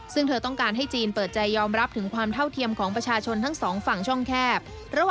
ซึ่งเธอต้องการให้จีนเปิดใจยอมรับถึงความเท่าเทียมของประชาชนทั้งสองฝั่งช่องแคบ